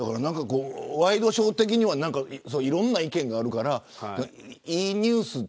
ワイドショー的には、いろんな意見があるから、いいニュース。